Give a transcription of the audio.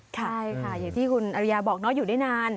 ใช่ค่ะอย่างที่คุณอริยาบอกเนาะอยู่ได้นาน